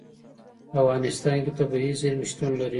په افغانستان کې طبیعي زیرمې شتون لري.